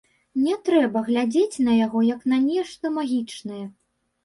Не трэба глядзець на яго як на нешта магічнае.